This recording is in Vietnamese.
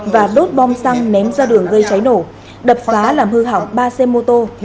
và đốt bom xăng ném ra đường gây cháy nổ đập phá làm hư hỏng ba xe mô tô